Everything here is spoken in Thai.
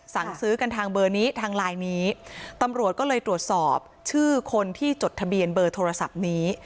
สั่งซื้อกันทางเบอร์นี้ทางไลน์นี้ตำรวจก็เลยตรวจสอบชื่อคนที่จดทะเบียนเบอร์โทรศัพท์นี้